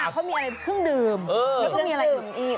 เขามีอะไรเครื่องดื่มแล้วก็มีอะไรอื่นอีก